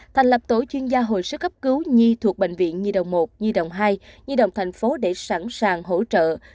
thành lập tổ chuyên gia hồi sức cấp cứu nhi thuộc bệnh viện nhi đồng một nhi đồng hai di đồng thành phố để sẵn sàng hỗ trợ